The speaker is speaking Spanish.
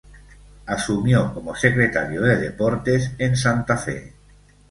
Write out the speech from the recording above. Asumió como secretario de deportes en Santa fe.